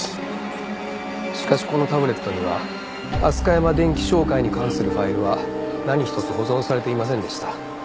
しかしこのタブレットにはアスカヤマ電器商会に関するファイルは何一つ保存されていませんでした。